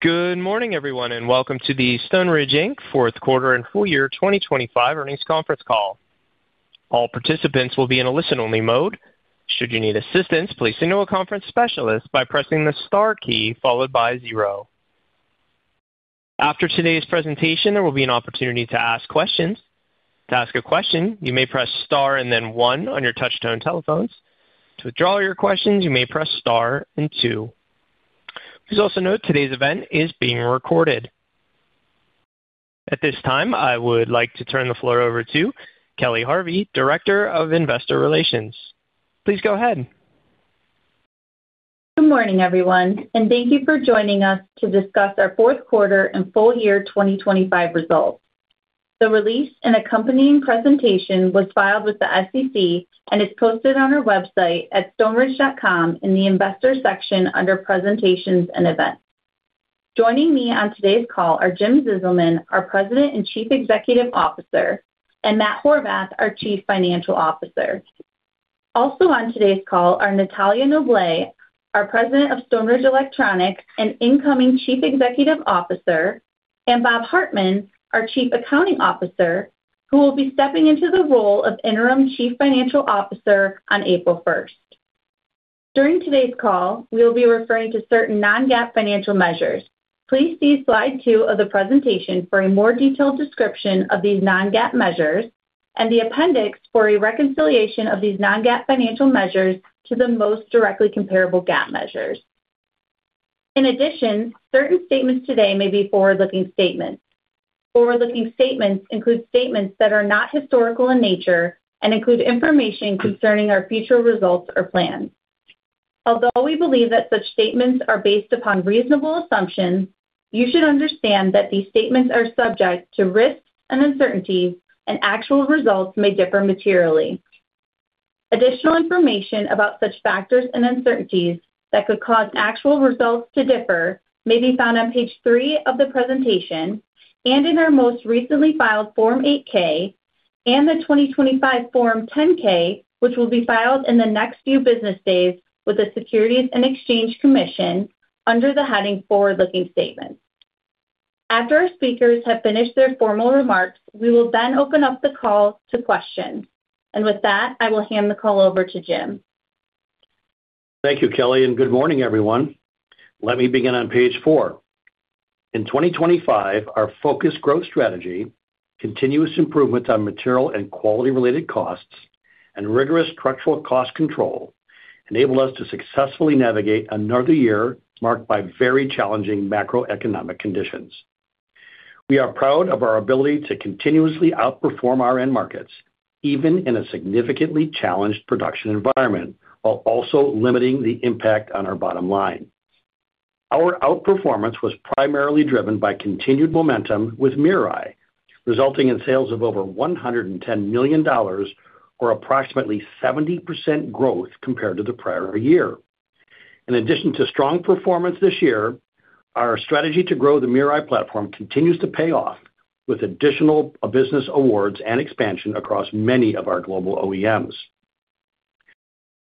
Good morning, everyone, and welcome to the Stoneridge, Inc. fourth quarter and full year 2025 earnings conference call. All participants will be in a listen-only mode. Should you need assistance, please signal a conference specialist by pressing the star key followed by zero. After today's presentation, there will be an opportunity to ask questions. To ask a question, you may press star and then one on your touch-tone telephones. To withdraw your questions, you may press star and two. Please also note today's event is being recorded. At this time, I would like to turn the floor over to Kelly Harvey, Director of Investor Relations. Please go ahead. Good morning, everyone, and thank you for joining us to discuss our fourth quarter and full year 2025 results. The release and accompanying presentation was filed with the SEC and is posted on our website at stoneridge.com in the Investors section under Presentations and Events. Joining me on today's call are Jim Zizelman, our President and Chief Executive Officer, and Matthew Horvath, our Chief Financial Officer. Also on today's call are Natalia Noblet, our President of Stoneridge Electronics and incoming Chief Executive Officer, and Robert Hartman, our Chief Accounting Officer, who will be stepping into the role of Interim Chief Financial Officer on April first. During today's call, we'll be referring to certain non-GAAP financial measures. Please see slide 2 of the presentation for a more detailed description of these non-GAAP measures and the appendix for a reconciliation of these non-GAAP financial measures to the most directly comparable GAAP measures. In addition, certain statements today may be forward-looking statements. Forward-looking statements include statements that are not historical in nature and include information concerning our future results or plans. Although we believe that such statements are based upon reasonable assumptions, you should understand that these statements are subject to risks and uncertainties and actual results may differ materially. Additional information about such factors and uncertainties that could cause actual results to differ may be found on page three of the presentation and in our most recently filed Form 8-K and the 2025 Form 10-K, which will be filed in the next few business days with the Securities and Exchange Commission under the heading Forward-looking Statements. After our speakers have finished their formal remarks, we will then open up the call to questions. With that, I will hand the call over to Jim. Thank you, Kelly, and good morning everyone. Let me begin on page four. In 2025, our focused growth strategy, continuous improvements on material and quality-related costs, and rigorous structural cost control enabled us to successfully navigate another year marked by very challenging macroeconomic conditions. We are proud of our ability to continuously outperform our end markets, even in a significantly challenged production environment, while also limiting the impact on our bottom line. Our outperformance was primarily driven by continued momentum with MirrorEye, resulting in sales of over $110 million or approximately 70% growth compared to the prior year. In addition to strong performance this year, our strategy to grow the MirrorEye platform continues to pay off with additional business awards and expansion across many of our global OEMs.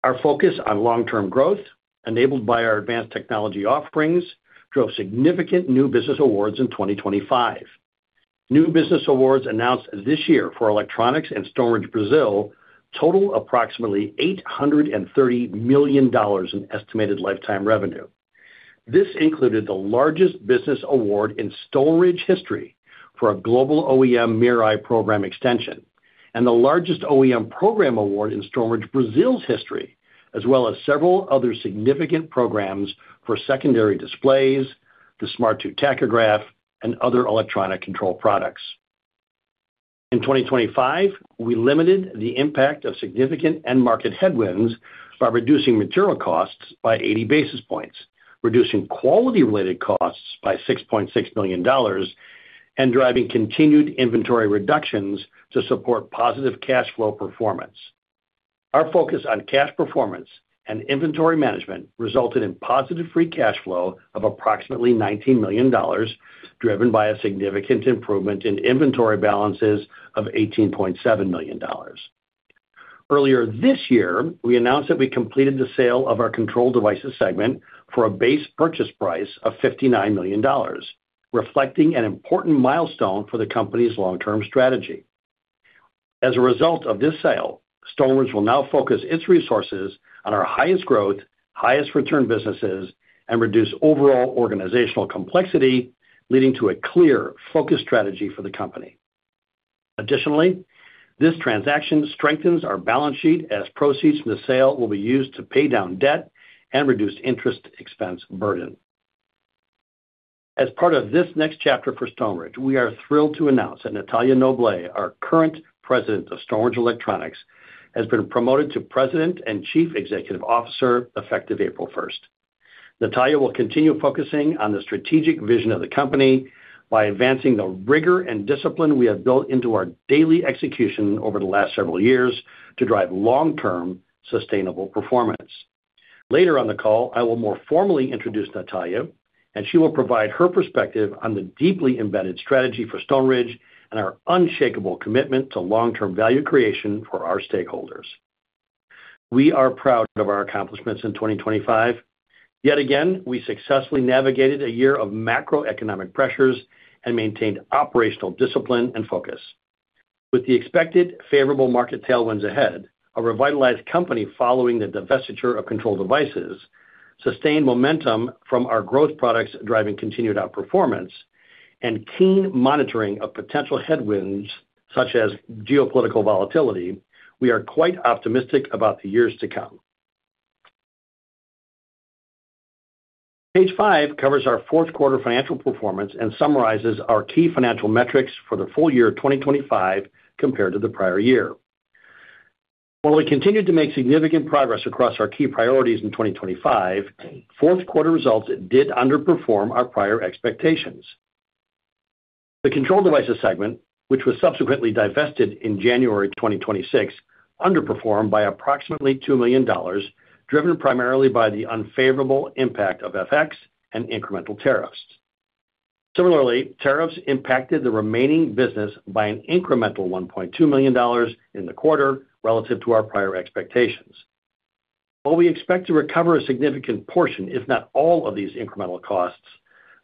Our focus on long-term growth enabled by our advanced technology offerings drove significant new business awards in 2025. New business awards announced this year for electronics and Stoneridge Brazil total approximately $830 million in estimated lifetime revenue. This included the largest business award in Stoneridge history for a global OEM MirrorEye program extension and the largest OEM program award in Stoneridge Brazil's history, as well as several other significant programs for secondary displays, the Smart 2 tachograph and other electronic control products. In 2025, we limited the impact of significant end market headwinds by reducing material costs by 80 basis points, reducing quality related costs by $6.6 million, and driving continued inventory reductions to support positive cash flow performance. Our focus on cash performance and inventory management resulted in positive free cash flow of approximately $19 million, driven by a significant improvement in inventory balances of $18.7 million. Earlier this year, we announced that we completed the sale of our Control Devices segment for a base purchase price of $59 million, reflecting an important milestone for the company's long-term strategy. As a result of this sale, Stoneridge will now focus its resources on our highest growth, highest return businesses and reduce overall organizational complexity, leading to a clear focus strategy for the company. Additionally, this transaction strengthens our balance sheet as proceeds from the sale will be used to pay down debt and reduce interest expense burden. As part of this next chapter for Stoneridge, we are thrilled to announce that Natalia Noblet, our current President of Stoneridge Electronics, has been promoted to President and Chief Executive Officer, effective April 1. Natalia will continue focusing on the strategic vision of the company by advancing the rigor and discipline we have built into our daily execution over the last several years to drive long-term sustainable performance. Later on the call, I will more formally introduce Natalia, and she will provide her perspective on the deeply embedded strategy for Stoneridge and our unshakable commitment to long-term value creation for our stakeholders. We are proud of our accomplishments in 2025. Yet again, we successfully navigated a year of macroeconomic pressures and maintained operational discipline and focus. With the expected favorable market tailwinds ahead, a revitalized company following the divestiture of Control Devices, sustained momentum from our growth products driving continued outperformance, and keen monitoring of potential headwinds such as geopolitical volatility, we are quite optimistic about the years to come. Page five covers our fourth quarter financial performance and summarizes our key financial metrics for the full year 2025 compared to the prior year. While we continued to make significant progress across our key priorities in 2025, fourth quarter results did underperform our prior expectations. The Control Devices segment, which was subsequently divested in January 2026, underperformed by approximately $2 million, driven primarily by the unfavorable impact of FX and incremental tariffs. Similarly, tariffs impacted the remaining business by an incremental $1.2 million in the quarter relative to our prior expectations. While we expect to recover a significant portion, if not all of these incremental costs,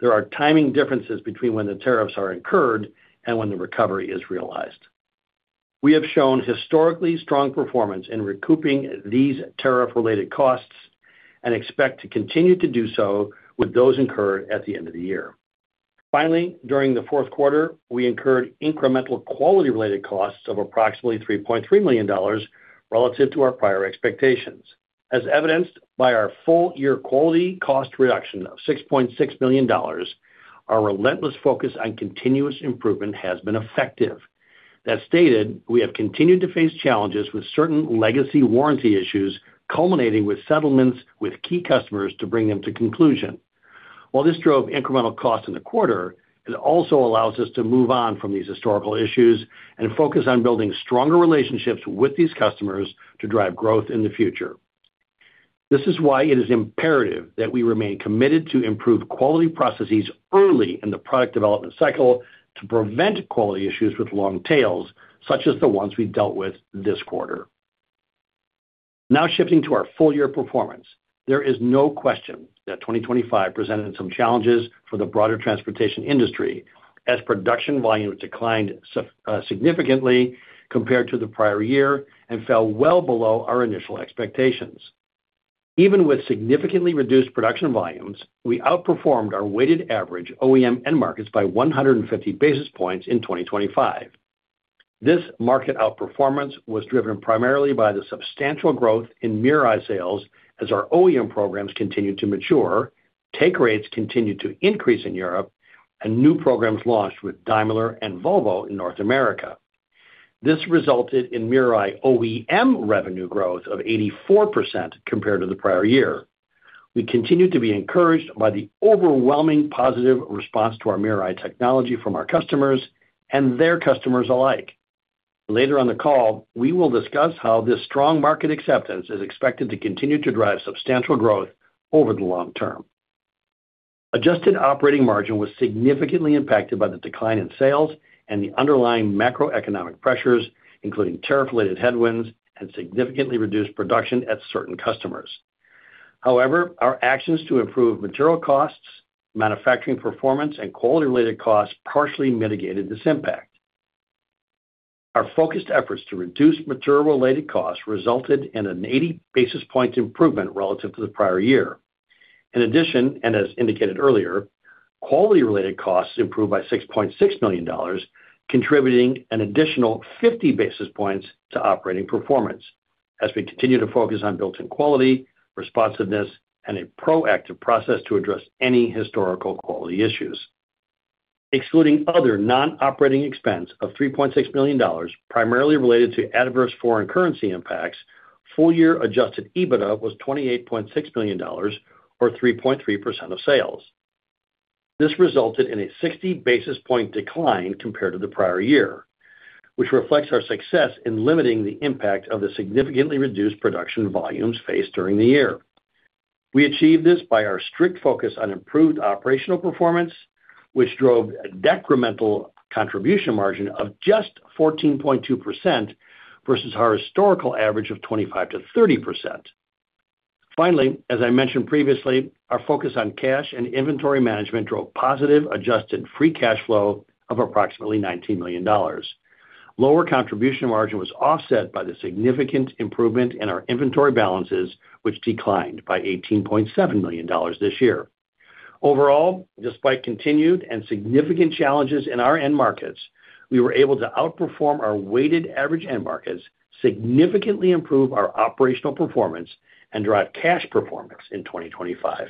there are timing differences between when the tariffs are incurred and when the recovery is realized. We have shown historically strong performance in recouping these tariff related costs and expect to continue to do so with those incurred at the end of the year. Finally, during the fourth quarter, we incurred incremental quality related costs of approximately $3.3 million relative to our prior expectations. As evidenced by our full year quality cost reduction of $6.6 million, our relentless focus on continuous improvement has been effective. That said, we have continued to face challenges with certain legacy warranty issues, culminating with settlements with key customers to bring them to conclusion. While this drove incremental costs in the quarter, it also allows us to move on from these historical issues and focus on building stronger relationships with these customers to drive growth in the future. This is why it is imperative that we remain committed to improve quality processes early in the product development cycle to prevent quality issues with long tails such as the ones we dealt with this quarter. Now shifting to our full year performance. There is no question that 2025 presented some challenges for the broader transportation industry as production volume declined significantly compared to the prior year and fell well below our initial expectations. Even with significantly reduced production volumes, we outperformed our weighted average OEM end markets by 150 basis points in 2025. This market outperformance was driven primarily by the substantial growth in MirrorEye sales as our OEM programs continued to mature, take rates continued to increase in Europe, and new programs launched with Daimler and Volvo in North America. This resulted in MirrorEye OEM revenue growth of 84% compared to the prior year. We continue to be encouraged by the overwhelming positive response to our MirrorEye technology from our customers and their customers alike. Later on the call, we will discuss how this strong market acceptance is expected to continue to drive substantial growth over the long term. Adjusted operating margin was significantly impacted by the decline in sales and the underlying macroeconomic pressures, including tariff related headwinds and significantly reduced production at certain customers. However, our actions to improve material costs, manufacturing performance, and quality related costs partially mitigated this impact. Our focused efforts to reduce material related costs resulted in an 80 basis point improvement relative to the prior year. In addition, and as indicated earlier, quality related costs improved by $6.6 million, contributing an additional 50 basis points to operating performance as we continue to focus on built-in quality, responsiveness, and a proactive process to address any historical quality issues. Excluding other non-operating expense of $3.6 million, primarily related to adverse foreign currency impacts, full year adjusted EBITDA was $28.6 million or 3.3% of sales. This resulted in a 60 basis point decline compared to the prior year, which reflects our success in limiting the impact of the significantly reduced production volumes faced during the year. We achieved this by our strict focus on improved operational performance, which drove a decremental contribution margin of just 14.2% versus our historical average of 25%-30%. Finally, as I mentioned previously, our focus on cash and inventory management drove positive adjusted free cash flow of approximately $19 million. Lower contribution margin was offset by the significant improvement in our inventory balances, which declined by $18.7 million this year. Overall, despite continued and significant challenges in our end markets, we were able to outperform our weighted average end markets, significantly improve our operational performance, and drive cash performance in 2025.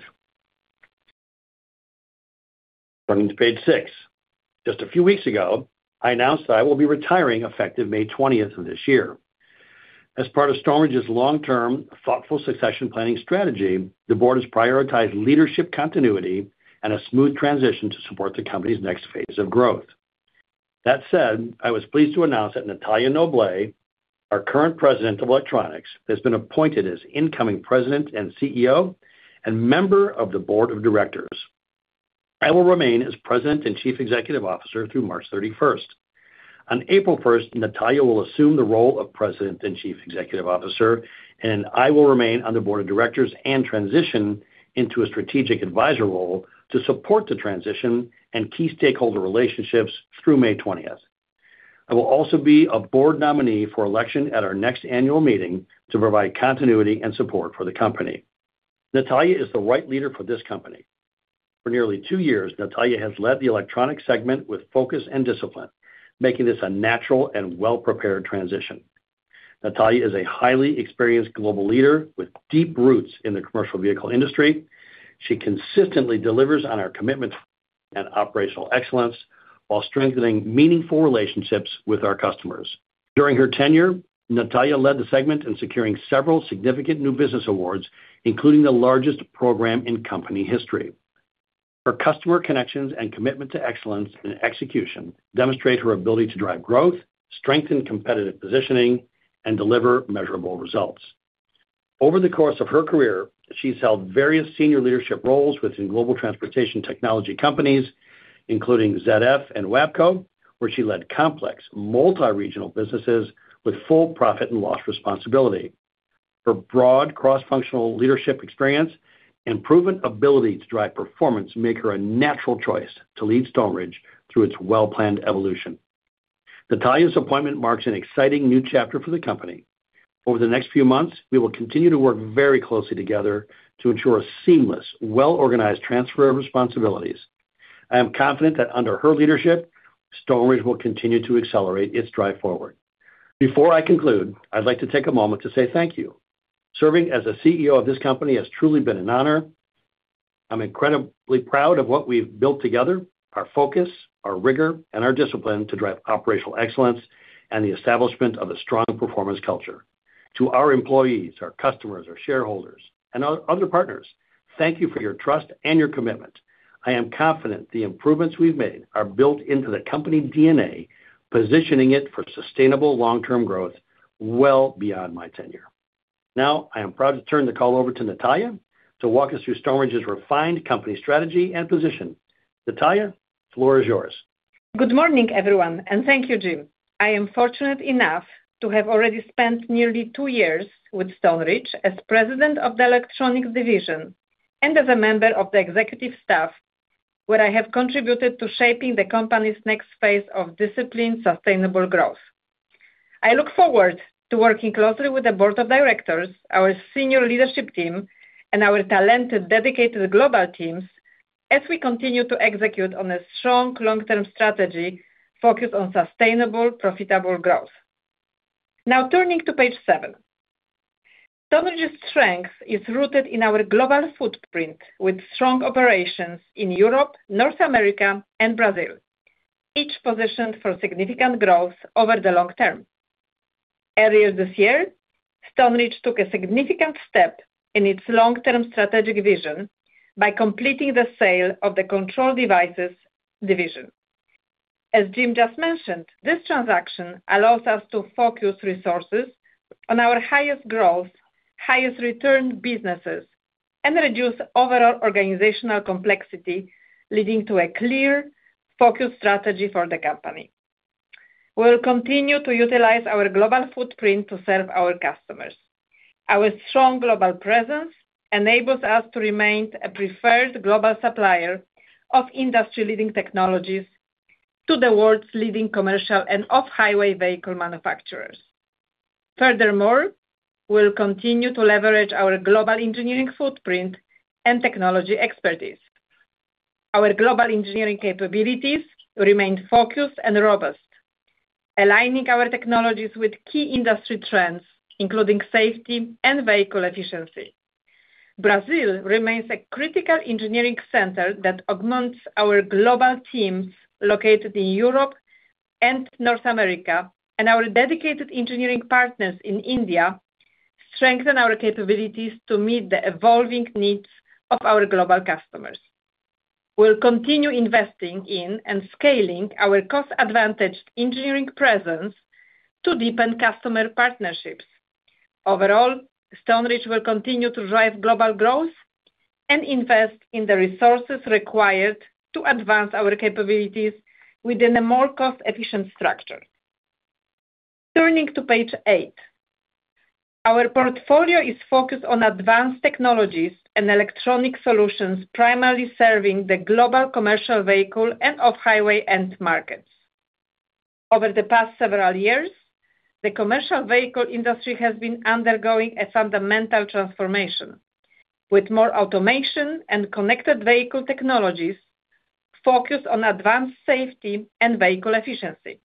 Turning to page six. Just a few weeks ago, I announced that I will be retiring effective May twentieth of this year. As part of Stoneridge's long-term, thoughtful succession planning strategy, the board has prioritized leadership continuity and a smooth transition to support the company's next phase of growth. That said, I was pleased to announce that Natalia Noblet, our current President of Electronics, has been appointed as incoming President and CEO and member of the board of directors. I will remain as President and Chief Executive Officer through March 31st. On April 1st, Natalia will assume the role of President and Chief Executive Officer, and I will remain on the board of directors and transition into a strategic advisor role to support the transition and key stakeholder relationships through May 20th. I will also be a board nominee for election at our next annual meeting to provide continuity and support for the company. Natalia is the right leader for this company. For nearly two years, Natalia has led the electronic segment with focus and discipline, making this a natural and well-prepared transition. Natalia is a highly experienced global leader with deep roots in the commercial vehicle industry. She consistently delivers on our commitments and operational excellence while strengthening meaningful relationships with our customers. During her tenure, Natalia led the segment in securing several significant new business awards, including the largest program in company history. Her customer connections and commitment to excellence and execution demonstrate her ability to drive growth, strengthen competitive positioning, and deliver measurable results. Over the course of her career, she's held various senior leadership roles within global transportation technology companies, including ZF and WABCO, where she led complex multi-regional businesses with full profit and loss responsibility. Her broad cross-functional leadership experience and proven ability to drive performance make her a natural choice to lead Stoneridge through its well-planned evolution. Natalia's appointment marks an exciting new chapter for the company. Over the next few months, we will continue to work very closely together to ensure a seamless, well-organized transfer of responsibilities. I am confident that under her leadership, Stoneridge will continue to accelerate its drive forward. Before I conclude, I'd like to take a moment to say thank you. Serving as a CEO of this company has truly been an honor. I'm incredibly proud of what we've built together, our focus, our rigor, and our discipline to drive operational excellence and the establishment of a strong performance culture. To our employees, our customers, our shareholders, and other partners, thank you for your trust and your commitment. I am confident the improvements we've made are built into the company DNA, positioning it for sustainable long-term growth well beyond my tenure. Now, I am proud to turn the call over to Natalia to walk us through Stoneridge's refined company strategy and position. Natalia, the floor is yours. Good morning, everyone, and thank you, Jim. I am fortunate enough to have already spent nearly two years with Stoneridge as President of the Electronics Division and as a member of the executive staff, where I have contributed to shaping the company's next phase of disciplined, sustainable growth. I look forward to working closely with the board of directors, our senior leadership team, and our talented, dedicated global teams as we continue to execute on a strong long-term strategy focused on sustainable, profitable growth. Now turning to page seven. Stoneridge's strength is rooted in our global footprint with strong operations in Europe, North America, and Brazil, each positioned for significant growth over the long term. Earlier this year, Stoneridge took a significant step in its long-term strategic vision by completing the sale of the Control Devices division. As Jim just mentioned, this transaction allows us to focus resources on our highest growth, highest return businesses, and reduce overall organizational complexity, leading to a clear focus strategy for the company. We'll continue to utilize our global footprint to serve our customers. Our strong global presence enables us to remain a preferred global supplier of industry-leading technologies to the world's leading commercial and off-highway vehicle manufacturers. Furthermore, we'll continue to leverage our global engineering footprint and technology expertise. Our global engineering capabilities remain focused and robust, aligning our technologies with key industry trends, including safety and vehicle efficiency. Brazil remains a critical engineering center that augments our global teams located in Europe and North America, and our dedicated engineering partners in India strengthen our capabilities to meet the evolving needs of our global customers. We'll continue investing in and scaling our cost-advantaged engineering presence to deepen customer partnerships. Overall, Stoneridge will continue to drive global growth and invest in the resources required to advance our capabilities within a more cost-efficient structure. Turning to page eight. Our portfolio is focused on advanced technologies and electronic solutions primarily serving the global commercial vehicle and off-highway end markets. Over the past several years, the commercial vehicle industry has been undergoing a fundamental transformation, with more automation and connected vehicle technologies focused on advanced safety and vehicle efficiency.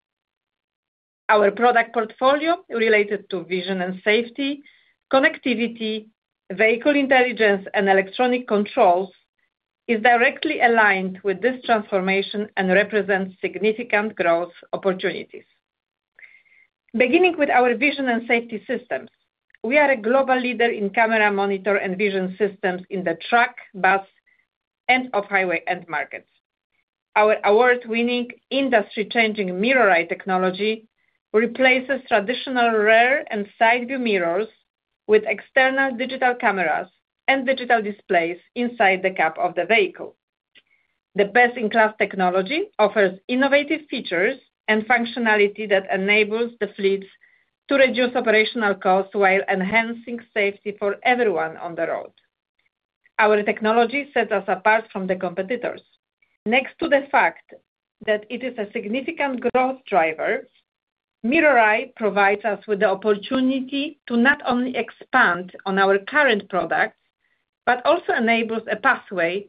Our product portfolio related to vision and safety, connectivity, vehicle intelligence, and electronic controls is directly aligned with this transformation and represents significant growth opportunities. Beginning with our vision and safety systems, we are a global leader in camera monitor and vision systems in the truck, bus, and off-highway end markets. Our award-winning industry-changing MirrorEye technology replaces traditional rear and side view mirrors with external digital cameras and digital displays inside the cab of the vehicle. The best-in-class technology offers innovative features and functionality that enables the fleets to reduce operational costs while enhancing safety for everyone on the road. Our technology sets us apart from the competitors. Next to the fact that it is a significant growth driver, MirrorEye provides us with the opportunity to not only expand on our current products, but also enables a pathway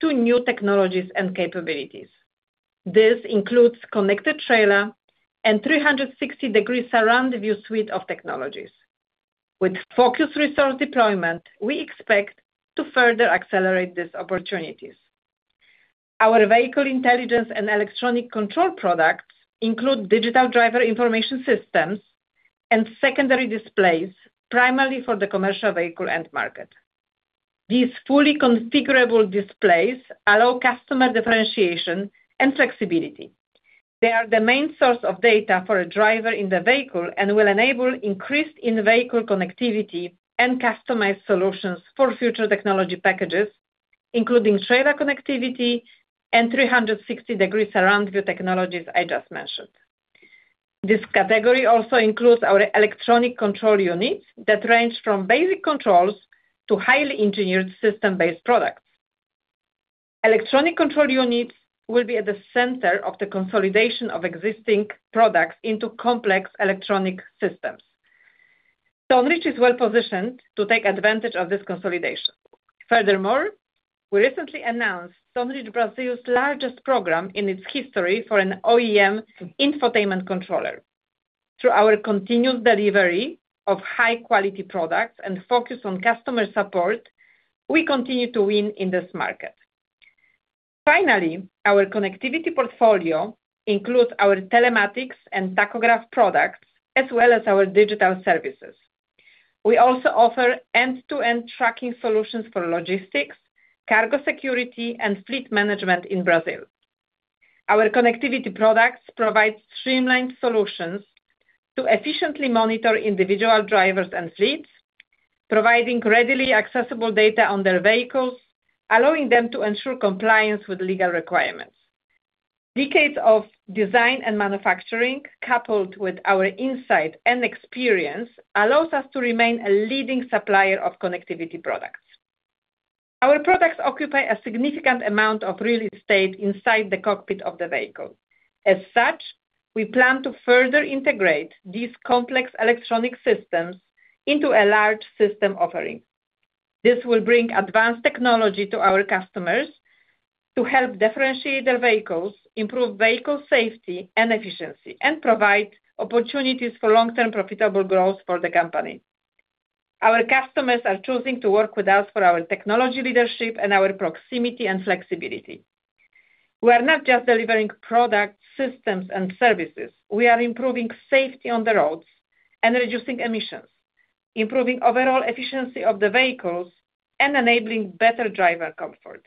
to new technologies and capabilities. This includes connected trailer and 360 degrees surround view suite of technologies. With focused resource deployment, we expect to further accelerate these opportunities. Our vehicle intelligence and electronic control products include digital driver information systems and secondary displays, primarily for the commercial vehicle end market. These fully configurable displays allow customer differentiation and flexibility. They are the main source of data for a driver in the vehicle and will enable increased in-vehicle connectivity and customized solutions for future technology packages, including trailer connectivity and 360 degrees around view technologies I just mentioned. This category also includes our electronic control units that range from basic controls to highly engineered system-based products. Electronic control units will be at the center of the consolidation of existing products into complex electronic systems. Stoneridge is well-positioned to take advantage of this consolidation. Furthermore, we recently announced Stoneridge Brazil's largest program in its history for an OEM infotainment controller. Through our continued delivery of high-quality products and focus on customer support, we continue to win in this market. Finally, our connectivity portfolio includes our telematics and tachograph products, as well as our digital services. We also offer end-to-end tracking solutions for logistics, cargo security, and fleet management in Brazil. Our connectivity products provide streamlined solutions to efficiently monitor individual drivers and fleets, providing readily accessible data on their vehicles, allowing them to ensure compliance with legal requirements. Decades of design and manufacturing, coupled with our insight and experience, allows us to remain a leading supplier of connectivity products. Our products occupy a significant amount of real estate inside the cockpit of the vehicle. As such, we plan to further integrate these complex electronic systems into a large system offering. This will bring advanced technology to our customers to help differentiate their vehicles, improve vehicle safety and efficiency, and provide opportunities for long-term profitable growth for the company. Our customers are choosing to work with us for our technology leadership and our proximity and flexibility. We are not just delivering products, systems, and services. We are improving safety on the roads and reducing emissions, improving overall efficiency of the vehicles, and enabling better driver comfort.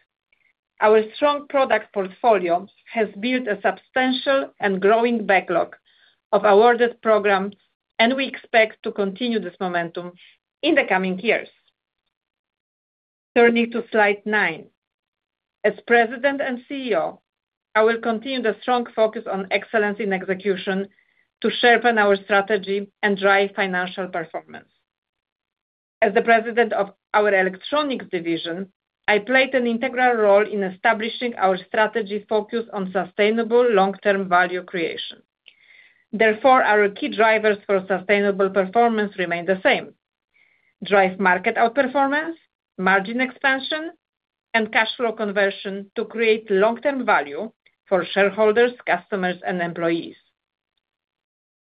Our strong product portfolio has built a substantial and growing backlog of awarded programs, and we expect to continue this momentum in the coming years. Turning to slide 9. As President and CEO, I will continue the strong focus on excellence in execution to sharpen our strategy and drive financial performance. As the President of our electronic division, I played an integral role in establishing our strategy focused on sustainable long-term value creation. Therefore, our key drivers for sustainable performance remain the same. Drive market outperformance, margin expansion, and cash flow conversion to create long-term value for shareholders, customers, and employees.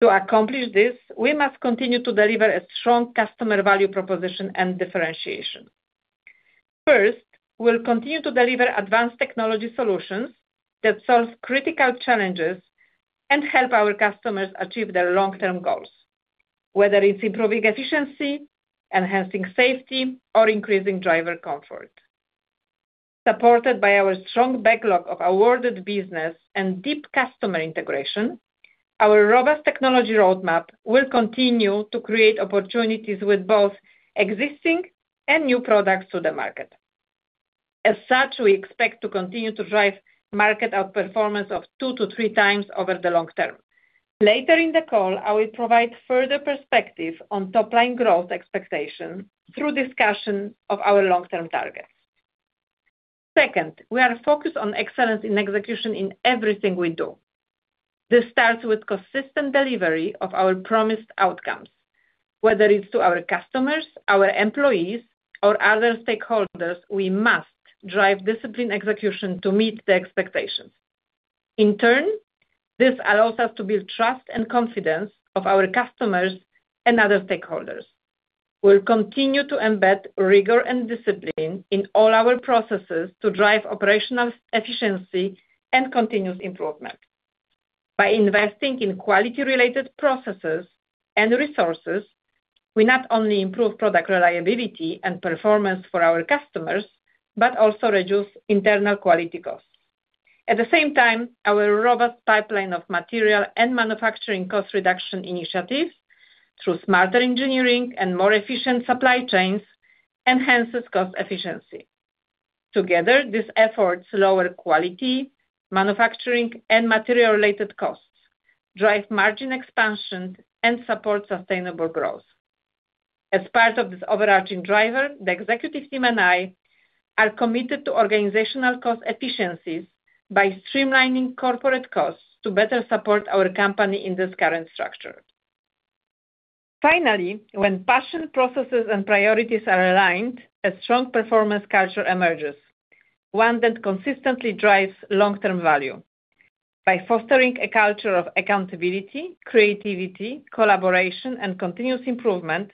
To accomplish this, we must continue to deliver a strong customer value proposition and differentiation. First, we'll continue to deliver advanced technology solutions that solve critical challenges and help our customers achieve their long-term goals, whether it's improving efficiency, enhancing safety, or increasing driver comfort. Supported by our strong backlog of awarded business and deep customer integration, our robust technology roadmap will continue to create opportunities with both existing and new products to the market. As such, we expect to continue to drive market outperformance of 2-3 times over the long term. Later in the call, I will provide further perspective on top-line growth expectation through discussion of our long-term targets. Second, we are focused on excellence in execution in everything we do. This starts with consistent delivery of our promised outcomes. Whether it's to our customers, our employees, or other stakeholders, we must drive disciplined execution to meet the expectations. In turn, this allows us to build trust and confidence of our customers and other stakeholders. We'll continue to embed rigor and discipline in all our processes to drive operational efficiency and continuous improvement. By investing in quality-related processes and resources, we not only improve product reliability and performance for our customers, but also reduce internal quality costs. At the same time, our robust pipeline of material and manufacturing cost reduction initiatives through smarter engineering and more efficient supply chains enhances cost efficiency. Together, these efforts lower quality, manufacturing, and material-related costs, drive margin expansion, and support sustainable growth. As part of this overarching driver, the executive team and I are committed to organizational cost efficiencies by streamlining corporate costs to better support our company in this current structure. Finally, when passion, processes, and priorities are aligned, a strong performance culture emerges, one that consistently drives long-term value. By fostering a culture of accountability, creativity, collaboration, and continuous improvement,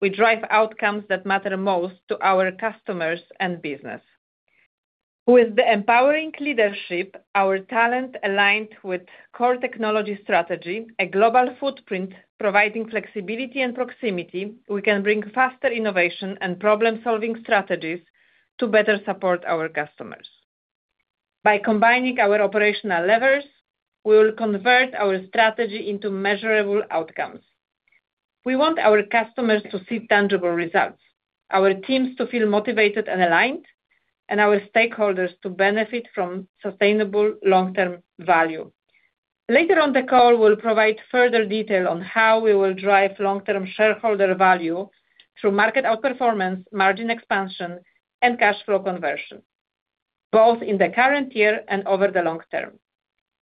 we drive outcomes that matter most to our customers and business. With the empowering leadership, our talent aligned with core technology strategy, a global footprint providing flexibility and proximity, we can bring faster innovation and problem-solving strategies to better support our customers. By combining our operational levers, we will convert our strategy into measurable outcomes. We want our customers to see tangible results, our teams to feel motivated and aligned, and our stakeholders to benefit from sustainable long-term value. Later on the call, we'll provide further detail on how we will drive long-term shareholder value through market outperformance, margin expansion, and cash flow conversion, both in the current year and over the long term.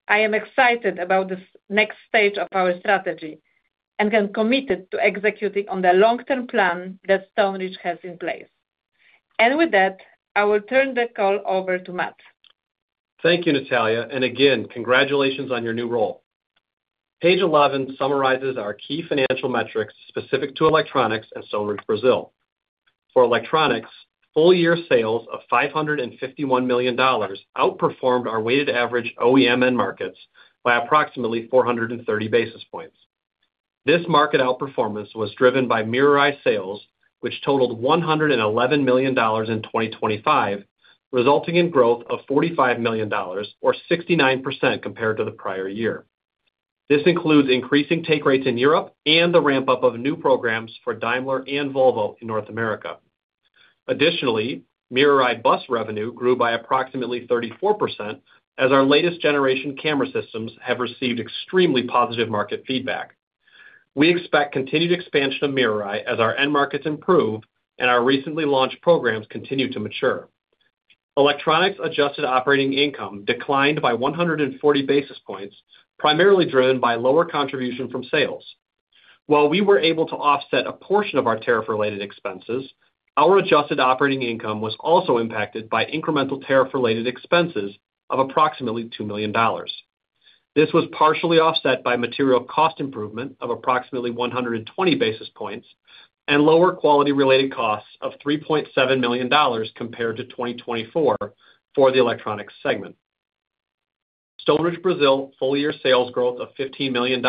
I am excited about this next stage of our strategy and am committed to executing on the long-term plan that Stoneridge has in place. With that, I will turn the call over to Matt. Thank you, Natalia, and again, congratulations on your new role. Page 11 summarizes our key financial metrics specific to electronics and Stoneridge Brazil. For electronics, full-year sales of $551 million outperformed our weighted average OEM end markets by approximately 430 basis points. This market outperformance was driven by MirrorEye sales, which totaled $111 million in 2025, resulting in growth of $45 million or 69% compared to the prior year. This includes increasing take rates in Europe and the ramp-up of new programs for Daimler and Volvo in North America. Additionally, MirrorEye bus revenue grew by approximately 34% as our latest generation camera systems have received extremely positive market feedback. We expect continued expansion of MirrorEye as our end markets improve and our recently launched programs continue to mature. Electronics adjusted operating income declined by 140 basis points, primarily driven by lower contribution from sales. While we were able to offset a portion of our tariff-related expenses, our adjusted operating income was also impacted by incremental tariff-related expenses of approximately $2 million. This was partially offset by material cost improvement of approximately 120 basis points and lower quality-related costs of $3.7 million compared to 2024 for the electronics segment. Stoneridge Brazil full-year sales growth of $15 million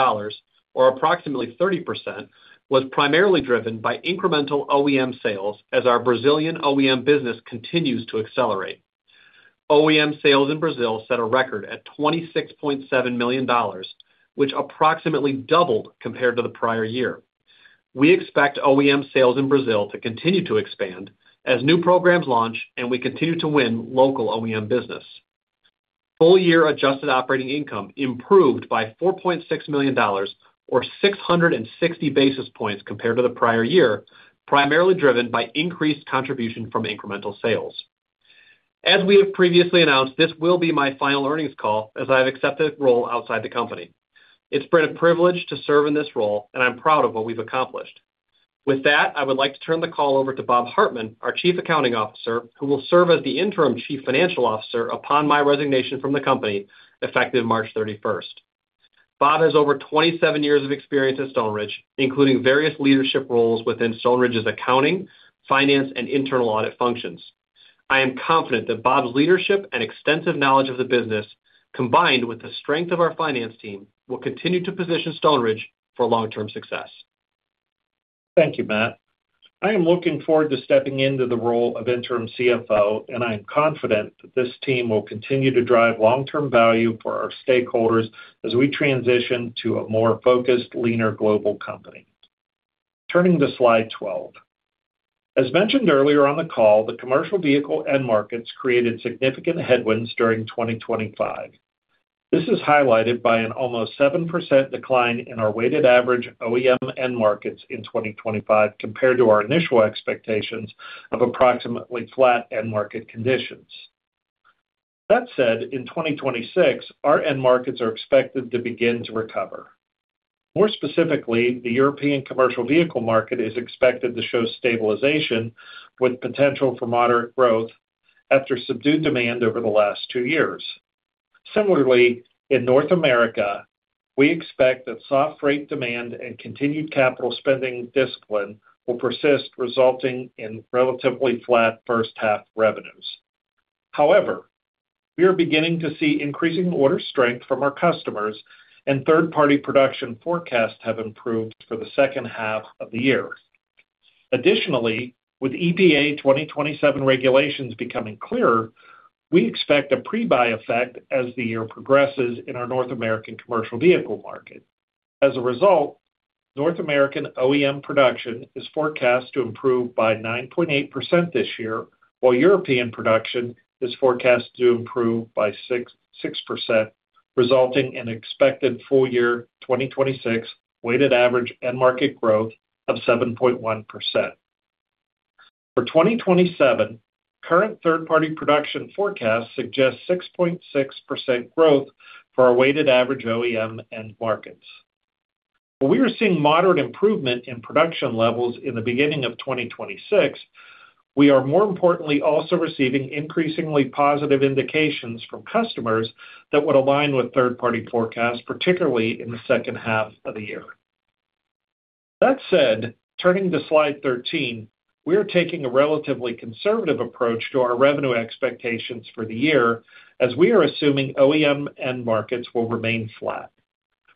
or approximately 30%, was primarily driven by incremental OEM sales as our Brazilian OEM business continues to accelerate. OEM sales in Brazil set a record at $26.7 million, which approximately doubled compared to the prior year. We expect OEM sales in Brazil to continue to expand as new programs launch, and we continue to win local OEM business. Full-year adjusted operating income improved by $4.6 million or 660 basis points compared to the prior year, primarily driven by increased contribution from incremental sales. As we have previously announced, this will be my final earnings call as I have accepted a role outside the company. It's been a privilege to serve in this role, and I'm proud of what we've accomplished. With that, I would like to turn the call over to Robert Hartman, our Chief Accounting Officer, who will serve as the interim Chief Financial Officer upon my resignation from the company effective March thirty-first. Bob has over 27 years of experience at Stoneridge, including various leadership roles within Stoneridge's accounting, finance, and internal audit functions. I am confident that Bob's leadership and extensive knowledge of the business, combined with the strength of our finance team, will continue to position Stoneridge for long-term success. Thank you, Matt. I am looking forward to stepping into the role of interim CFO, and I am confident that this team will continue to drive long-term value for our stakeholders as we transition to a more focused, leaner global company. Turning to slide 12. As mentioned earlier on the call, the commercial vehicle end markets created significant headwinds during 2025. This is highlighted by an almost 7% decline in our weighted average OEM end markets in 2025 compared to our initial expectations of approximately flat end market conditions. That said, in 2026, our end markets are expected to begin to recover. More specifically, the European commercial vehicle market is expected to show stabilization with potential for moderate growth after subdued demand over the last two years. Similarly, in North America, we expect that soft freight demand and continued capital spending discipline will persist, resulting in relatively flat first half revenues. However, we are beginning to see increasing order strength from our customers and third-party production forecasts have improved for the second half of the year. Additionally, with EPA 2027 regulations becoming clearer, we expect a pre-buy effect as the year progresses in our North American commercial vehicle market. As a result, North American OEM production is forecast to improve by 9.8% this year, while European production is forecast to improve by 6.6%, resulting in expected full year 2026 weighted average end market growth of 7.1%. For 2027, current third-party production forecasts suggest 6.6% growth for our weighted average OEM end markets. While we are seeing moderate improvement in production levels in the beginning of 2026, we are more importantly also receiving increasingly positive indications from customers that would align with third-party forecasts, particularly in the second half of the year. That said, turning to slide 13, we are taking a relatively conservative approach to our revenue expectations for the year as we are assuming OEM end markets will remain flat.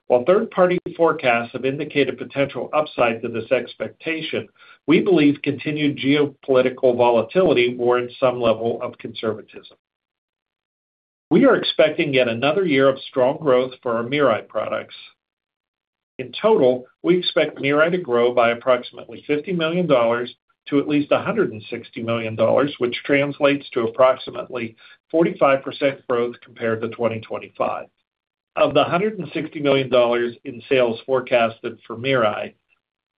While third-party forecasts have indicated potential upside to this expectation, we believe continued geopolitical volatility warrants some level of conservatism. We are expecting yet another year of strong growth for our MirrorEye products. In total, we expect MirrorEye to grow by approximately $50 million to at least $160 million, which translates to approximately 45% growth compared to 2025. Of the $160 million in sales forecasted for MirrorEye,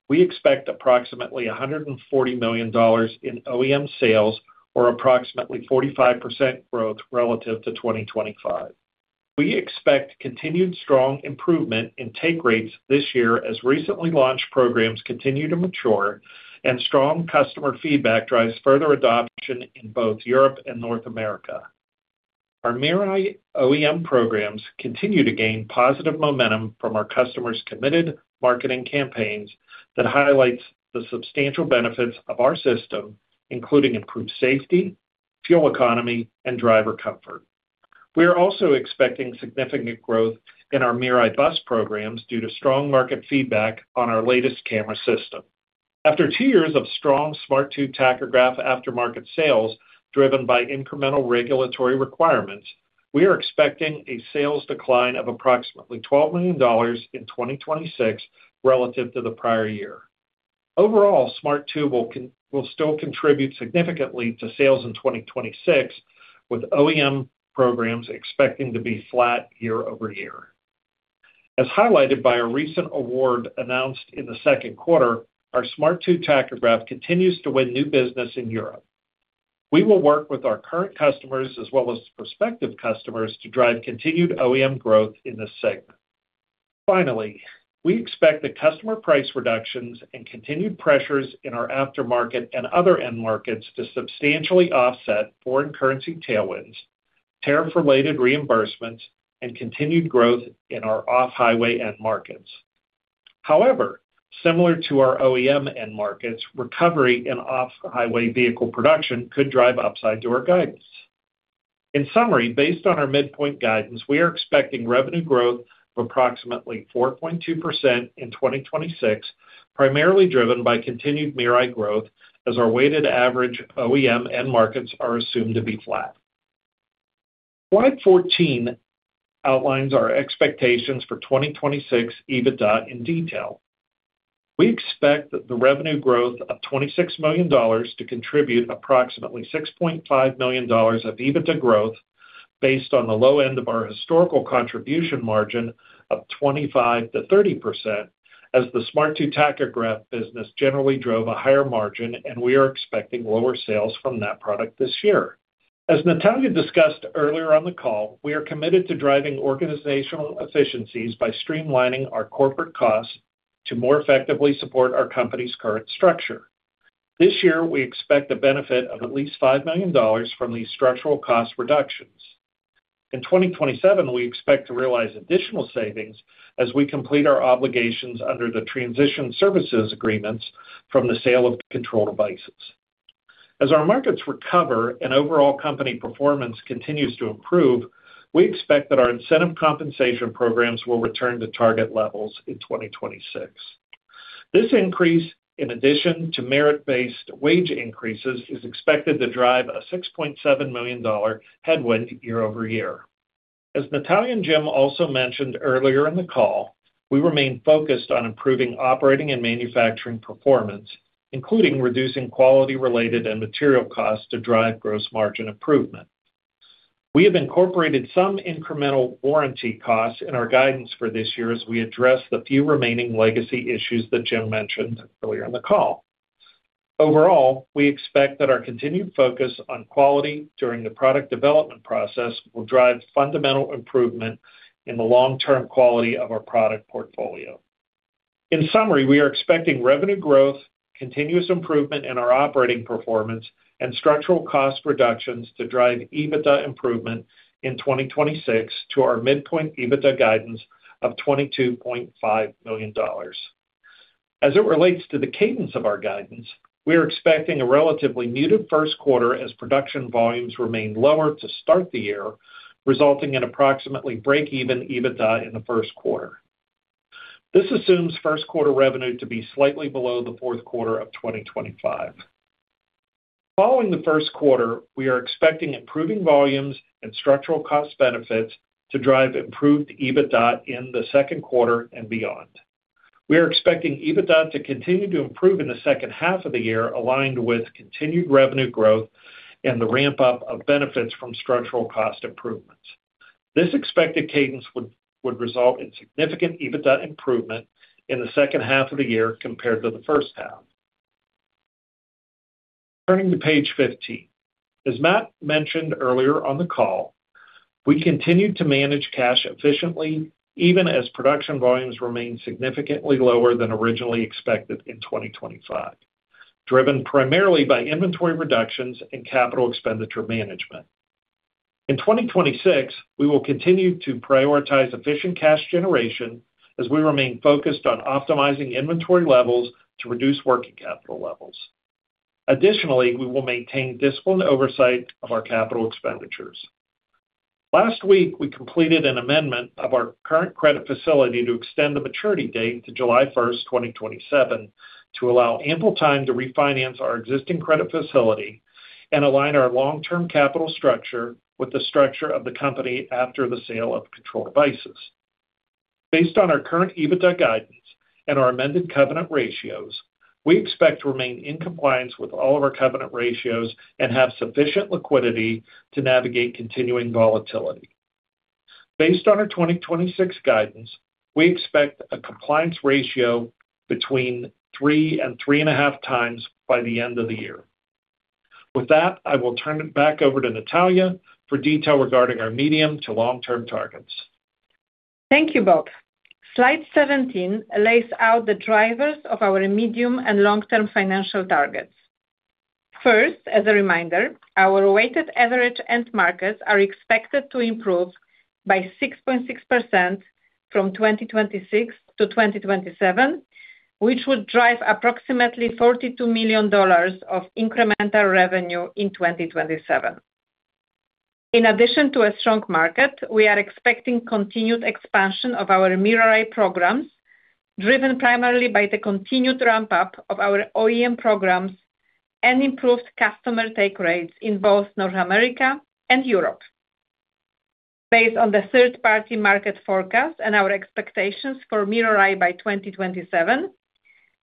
we expect approximately $140 million in OEM sales or approximately 45% growth relative to 2025. We expect continued strong improvement in take rates this year as recently launched programs continue to mature and strong customer feedback drives further adoption in both Europe and North America. Our MirrorEye OEM programs continue to gain positive momentum from our customers' committed marketing campaigns that highlights the substantial benefits of our system, including improved safety, fuel economy, and driver comfort. We are also expecting significant growth in our MirrorEye bus programs due to strong market feedback on our latest camera system. After two years of strong Smart 2 tachograph aftermarket sales driven by incremental regulatory requirements, we are expecting a sales decline of approximately $12 million in 2026 relative to the prior year. Overall, Smart 2 will still contribute significantly to sales in 2026, with OEM programs expecting to be flat year-over-year. As highlighted by a recent award announced in the second quarter, our Smart 2 tachograph continues to win new business in Europe. We will work with our current customers as well as prospective customers to drive continued OEM growth in this segment. Finally, we expect the customer price reductions and continued pressures in our aftermarket and other end markets to substantially offset foreign currency tailwinds, tariff-related reimbursements, and continued growth in our off-highway end markets. However, similar to our OEM end markets, recovery in off-highway vehicle production could drive upside to our guidance. In summary, based on our midpoint guidance, we are expecting revenue growth of approximately 4.2% in 2026, primarily driven by continued MirrorEye growth as our weighted average OEM end markets are assumed to be flat. Slide 14 outlines our expectations for 2026 EBITDA in detail. We expect the revenue growth of $26 million to contribute approximately $6.5 million of EBITDA growth based on the low end of our historical contribution margin of 25%-30% as the Smart 2 tachograph business generally drove a higher margin, and we are expecting lower sales from that product this year. As Natalia Noblet discussed earlier on the call, we are committed to driving organizational efficiencies by streamlining our corporate costs to more effectively support our company's current structure. This year, we expect the benefit of at least $5 million from these structural cost reductions. In 2027, we expect to realize additional savings as we complete our obligations under the transition services agreements from the sale of Control Devices. As our markets recover and overall company performance continues to improve, we expect that our incentive compensation programs will return to target levels in 2026. This increase, in addition to merit-based wage increases, is expected to drive a $6.7 million headwind year-over-year. As Natalia and Jim also mentioned earlier in the call, we remain focused on improving operating and manufacturing performance, including reducing quality-related and material costs to drive gross margin improvement. We have incorporated some incremental warranty costs in our guidance for this year as we address the few remaining legacy issues that Jim mentioned earlier in the call. Overall, we expect that our continued focus on quality during the product development process will drive fundamental improvement in the long-term quality of our product portfolio. In summary, we are expecting revenue growth, continuous improvement in our operating performance, and structural cost reductions to drive EBITDA improvement in 2026 to our midpoint EBITDA guidance of $22.5 million. As it relates to the cadence of our guidance, we are expecting a relatively muted first quarter as production volumes remain lower to start the year, resulting in approximately break-even EBITDA in the first quarter. This assumes first quarter revenue to be slightly below the fourth quarter of 2025. Following the first quarter, we are expecting improving volumes and structural cost benefits to drive improved EBITDA in the second quarter and beyond. We are expecting EBITDA to continue to improve in the second half of the year, aligned with continued revenue growth and the ramp-up of benefits from structural cost improvements. This expected cadence would result in significant EBITDA improvement in the second half of the year compared to the first half. Turning to page 15, as Matt mentioned earlier on the call, we continue to manage cash efficiently even as production volumes remain significantly lower than originally expected in 2025, driven primarily by inventory reductions and capital expenditure management. In 2026, we will continue to prioritize efficient cash generation as we remain focused on optimizing inventory levels to reduce working capital levels. Additionally, we will maintain disciplined oversight of our capital expenditures. Last week, we completed an amendment of our current credit facility to extend the maturity date to July 1, 2027, to allow ample time to refinance our existing credit facility and align our long-term capital structure with the structure of the company after the sale of Control Devices. Based on our current EBITDA guidance and our amended covenant ratios, we expect to remain in compliance with all of our covenant ratios and have sufficient liquidity to navigate continuing volatility. Based on our 2026 guidance, we expect a compliance ratio between 3 and 3.5 times by the end of the year. With that, I will turn it back over to Natalia for detail regarding our medium to long-term targets. Thank you, Bob. Slide 17 lays out the drivers of our medium and long-term financial targets. First, as a reminder, our weighted average end markets are expected to improve by 6.6% from 2026 to 2027, which would drive approximately $42 million of incremental revenue in 2027. In addition to a strong market, we are expecting continued expansion of our MirrorEye programs, driven primarily by the continued ramp-up of our OEM programs and improved customer take rates in both North America and Europe. Based on the third-party market forecast and our expectations for MirrorEye by 2027,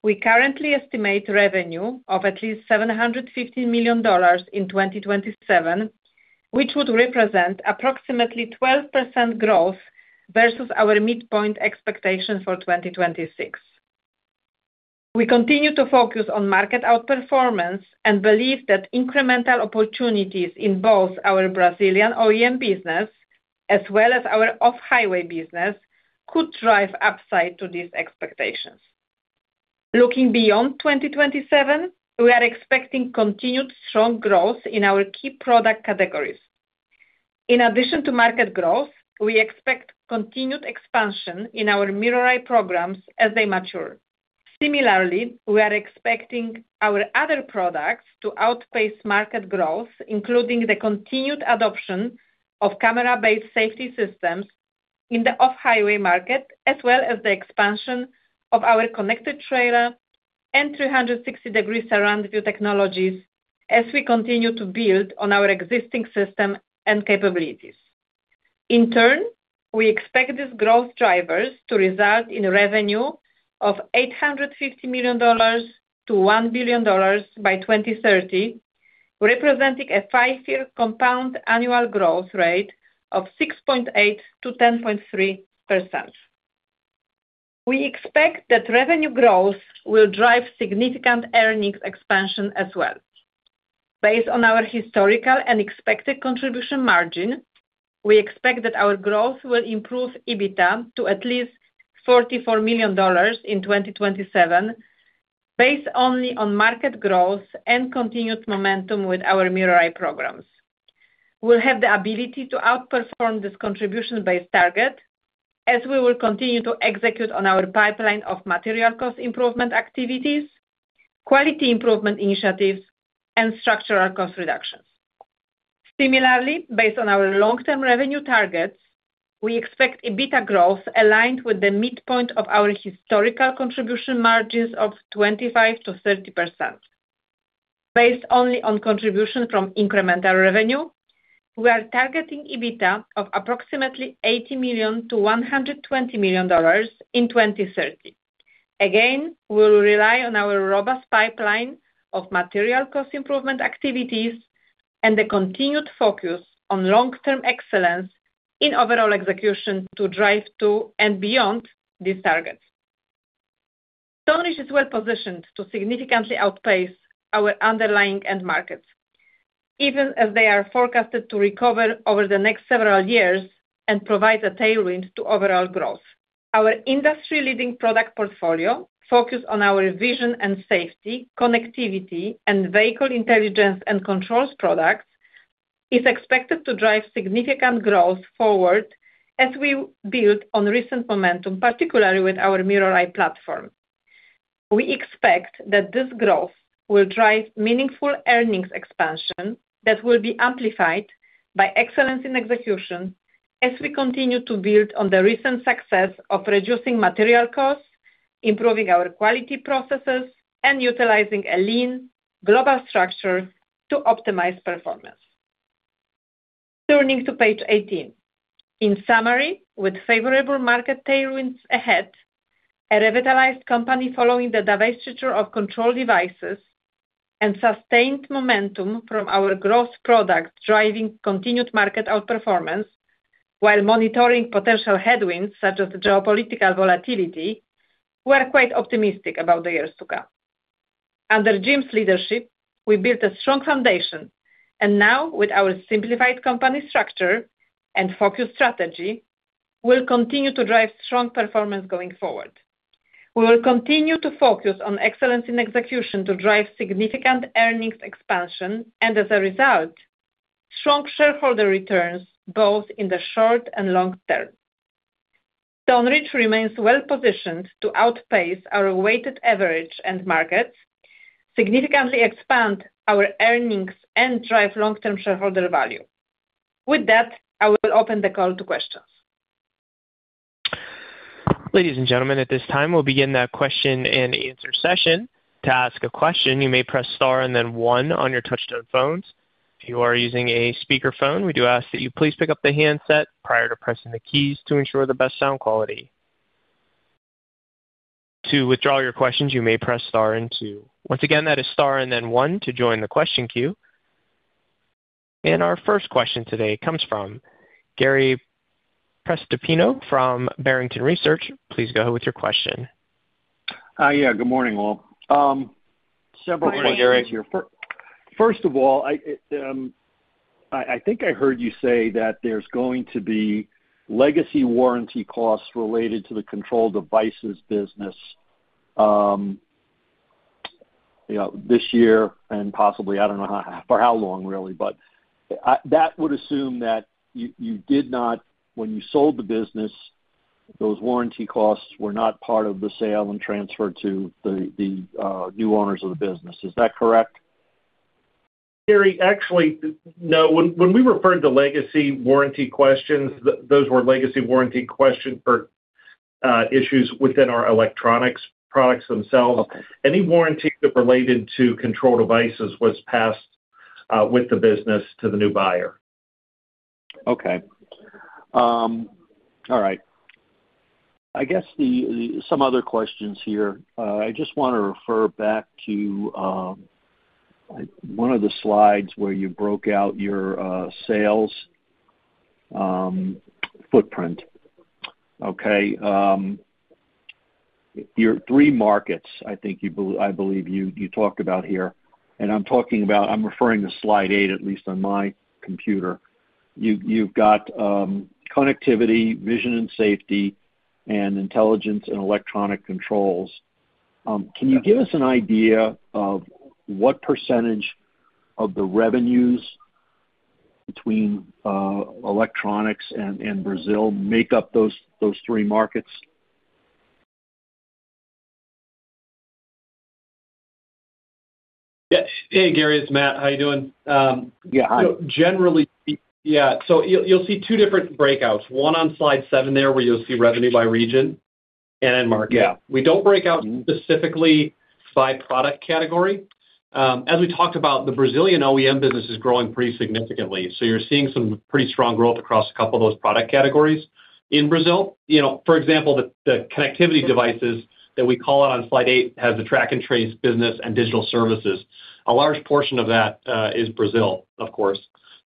we currently estimate revenue of at least $750 million in 2027, which would represent approximately 12% growth versus our midpoint expectations for 2026. We continue to focus on market outperformance and believe that incremental opportunities in both our Brazilian OEM business as well as our off-highway business could drive upside to these expectations. Looking beyond 2027, we are expecting continued strong growth in our key product categories. In addition to market growth, we expect continued expansion in our MirrorEye programs as they mature. Similarly, we are expecting our other products to outpace market growth, including the continued adoption of camera-based safety systems in the off-highway market, as well as the expansion of our connected trailer and 360-degree surround view technologies as we continue to build on our existing system and capabilities. In turn, we expect these growth drivers to result in revenue of $850 million-$1 billion by 2030, representing a five-year compound annual growth rate of 6.8%-10.3%. We expect that revenue growth will drive significant earnings expansion as well. Based on our historical and expected contribution margin, we expect that our growth will improve EBITDA to at least $44 million in 2027 based only on market growth and continued momentum with our MirrorEye programs. We'll have the ability to outperform this contribution-based target as we will continue to execute on our pipeline of material cost improvement activities, quality improvement initiatives, and structural cost reductions. Similarly, based on our long-term revenue targets, we expect EBITDA growth aligned with the midpoint of our historical contribution margins of 25%-30%. Based only on contribution from incremental revenue, we are targeting EBITDA of approximately $80 million-$120 million in 2030. Again, we'll rely on our robust pipeline of material cost improvement activities and the continued focus on long-term excellence in overall execution to drive to and beyond these targets. Stoneridge is well positioned to significantly outpace our underlying end markets, even as they are forecasted to recover over the next several years and provide a tailwind to overall growth. Our industry-leading product portfolio focused on our vision and safety, connectivity, and vehicle intelligence and controls products is expected to drive significant growth forward as we build on recent momentum, particularly with our MirrorEye platform. We expect that this growth will drive meaningful earnings expansion that will be amplified by excellence in execution as we continue to build on the recent success of reducing material costs, improving our quality processes, and utilizing a lean global structure to optimize performance. Turning to page 18. In summary, with favorable market tailwinds ahead, a revitalized company following the divestiture of Control Devices and sustained momentum from our growth product driving continued market outperformance while monitoring potential headwinds such as geopolitical volatility, we're quite optimistic about the years to come. Under Jim's leadership, we built a strong foundation and now with our simplified company structure and focused strategy, we'll continue to drive strong performance going forward. We will continue to focus on excellence in execution to drive significant earnings expansion and as a result, strong shareholder returns both in the short and long term. Stoneridge remains well-positioned to outpace our weighted average and markets, significantly expand our earnings and drive long-term shareholder value. With that, I will open the call to questions. Ladies and gentlemen, at this time, we'll begin that question and answer session. To ask a question, you may press star and then one on your touch-tone phones. If you are using a speakerphone, we do ask that you please pick up the handset prior to pressing the keys to ensure the best sound quality. To withdraw your questions, you may press star and two. Once again, that is star and then one to join the question queue. Our first question today comes from Gary Prestopino from Barrington Research. Please go with your question. Yeah, good morning, all. Several questions here. Good morning, Gary. First of all, I think I heard you say that there's going to be legacy warranty costs related to the Control Devices business, you know, this year and possibly, I don't know for how long really, but that would assume that you did not, when you sold the business, those warranty costs were not part of the sale and transferred to the new owners of the business. Is that correct? Gary, actually, no. When we referred to legacy warranty questions, those were legacy warranty question for issues within our electronics products themselves. Okay. Any warranty that related to Control Devices was passed with the business to the new buyer. All right. I guess some other questions here. I just want to refer back to one of the slides where you broke out your sales footprint. Your three markets, I think you believe you talked about here, and I'm referring to slide eight, at least on my computer. You've got connectivity, vision and safety, and intelligence and electronic controls. Can you give us an idea of what percentage of the revenues between electronics and Brazil make up those three markets? Yeah. Hey, Gary, it's Matt. How you doing? Yeah. Hi. Generally. Yeah. You'll see two different breakouts, one on slide seven there, where you'll see revenue by region and end market. Yeah. We don't break out specifically by product category. As we talked about, the Brazilian OEM business is growing pretty significantly. You're seeing some pretty strong growth across a couple of those product categories in Brazil. You know, for example, the connectivity devices that we call out on slide eight has the track and trace business and digital services. A large portion of that is Brazil, of course.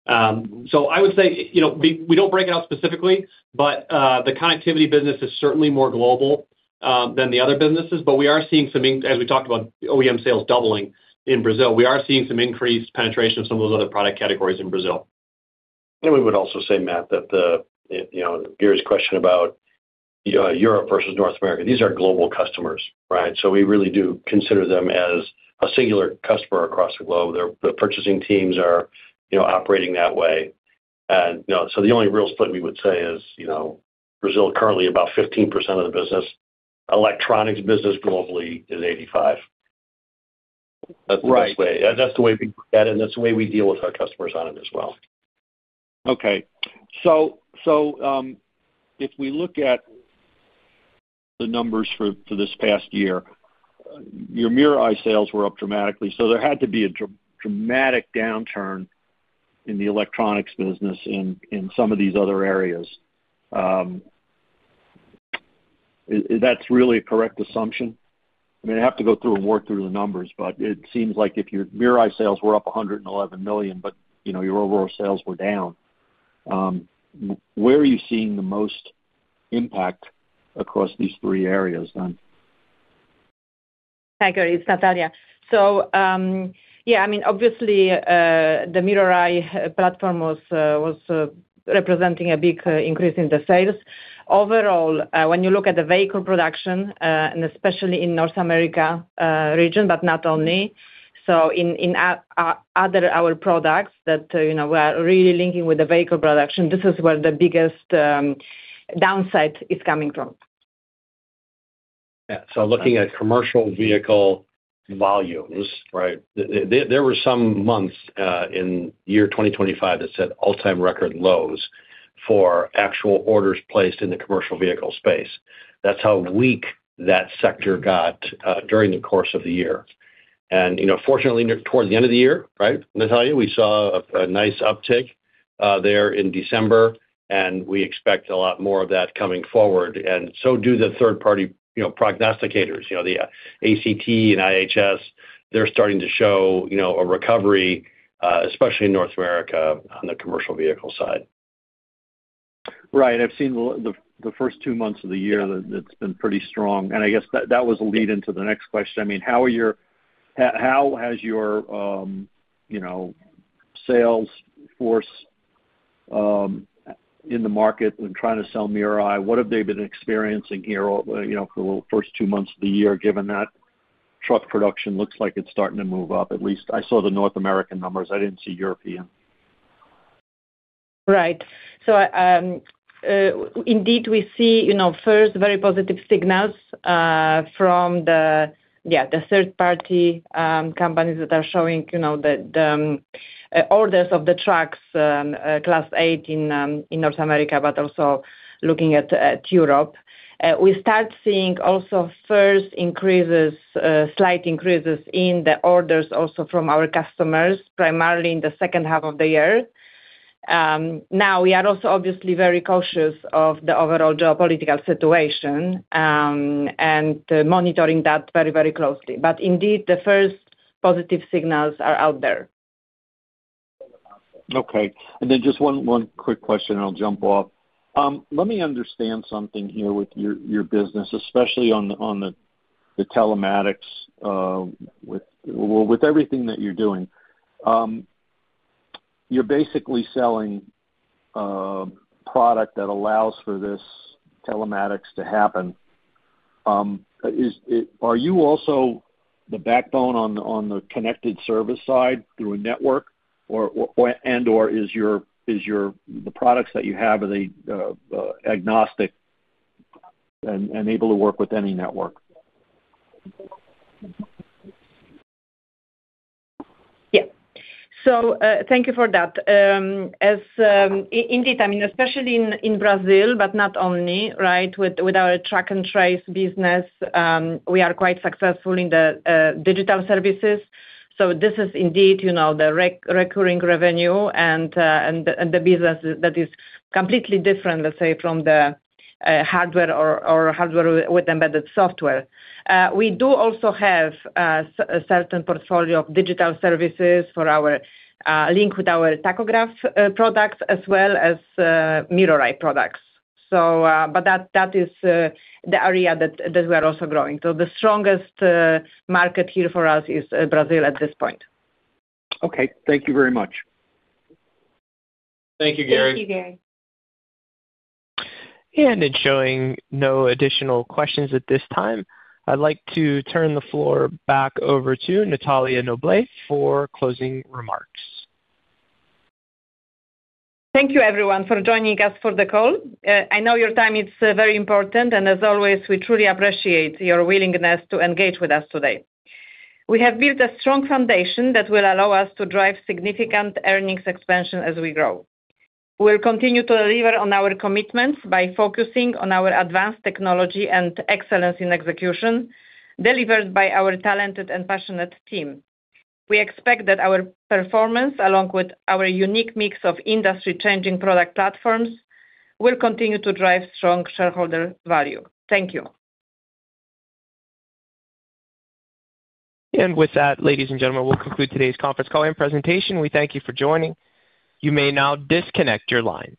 I would say, you know, we don't break it out specifically, but the connectivity business is certainly more global than the other businesses. We are seeing some, as we talked about, OEM sales doubling in Brazil, we are seeing some increased penetration of some of those other product categories in Brazil. We would also say, Matt, that the, you know, Gary's question about, you know, Europe versus North America, these are global customers, right? We really do consider them as a singular customer across the globe. Their, the purchasing teams are, you know, operating that way. You know, the only real split we would say is, you know, Brazil currently about 15% of the business. Electronics business globally is 85. Right. That's the way we look at it, and that's the way we deal with our customers on it as well. Okay. If we look at the numbers for this past year, your MirrorEye sales were up dramatically, so there had to be a dramatic downturn in the electronics business in some of these other areas. Is that really a correct assumption? I mean, I have to go through and work through the numbers, but it seems like if your MirrorEye sales were up $111 million, but, you know, your overall sales were down, where are you seeing the most impact across these three areas then? Hi, Gary, it's Natalia. Yeah, I mean, obviously, the MirrorEye platform was representing a big increase in sales. Overall, when you look at the vehicle production, and especially in North America region, but not only, in our other products that, you know, we're really linking with the vehicle production, this is where the biggest downside is coming from. Yeah. Looking at commercial vehicle volumes, right? There were some months in year 2025 that set all-time record lows for actual orders placed in the commercial vehicle space. That's how weak that sector got during the course of the year. You know, fortunately, toward the end of the year, right, Natalia, we saw a nice uptick there in December, and we expect a lot more of that coming forward, and so do the third party, you know, prognosticators. You know, the ACT and IHS, they're starting to show a recovery, especially in North America on the commercial vehicle side. Right. I've seen the first two months of the year, that it's been pretty strong. I guess that was a lead into the next question. I mean, how has your you know, sales force in the market and trying to sell MirrorEye, what have they been experiencing here you know, for the first two months of the year, given that truck production looks like it's starting to move up at least. I saw the North American numbers. I didn't see European. Right. Indeed, we see, you know, first very positive signals from the third-party companies that are showing, you know, the orders of the trucks, Class 8 in North America, but also looking at Europe. We start seeing also first increases, slight increases in the orders also from our customers, primarily in the second half of the year. Now we are also obviously very cautious of the overall geopolitical situation, and monitoring that very, very closely. Indeed, the first positive signals are out there. Okay. Just one quick question, and I'll jump off. Let me understand something here with your business, especially on the telematics, Well, with everything that you're doing, you're basically selling product that allows for this telematics to happen. Are you also the backbone on the connected service side through a network or and/or the products that you have, are they agnostic and able to work with any network? Yeah. Thank you for that. As indeed, I mean, especially in Brazil, but not only, right? With our track and trace business, we are quite successful in the digital services. This is indeed, you know, the recurring revenue and the business that is completely different, let's say, from the hardware or hardware with embedded software. We do also have certain portfolio of digital services for our link with our tachograph products as well as MirrorEye products. But that is the area that we are also growing. The strongest market here for us is Brazil at this point. Okay. Thank you very much. Thank you, Gary. Thank you, Gary. It's showing no additional questions at this time. I'd like to turn the floor back over to Natalia Noblet for closing remarks. Thank you everyone for joining us for the call. I know your time is very important and as always we truly appreciate your willingness to engage with us today. We have built a strong foundation that will allow us to drive significant earnings expansion as we grow. We'll continue to deliver on our commitments by focusing on our advanced technology and excellence in execution delivered by our talented and passionate team. We expect that our performance, along with our unique mix of industry changing product platforms, will continue to drive strong shareholder value. Thank you. With that, ladies and gentlemen, we'll conclude today's conference call and presentation. We thank you for joining. You may now disconnect your lines.